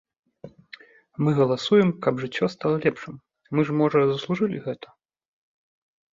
Мы галасуем, каб жыццё стала лепшым, мы ж, можа, заслужылі гэта?